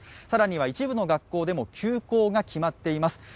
更には一部の学校でも休校が決まっています。